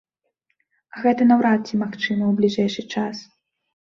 А гэта наўрад ці магчыма ў бліжэйшы час.